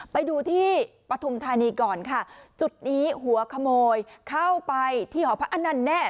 ไปดูที่ปฐุมธานีก่อนค่ะจุดนี้หัวขโมยเข้าไปที่หอพักอันนั้นแน่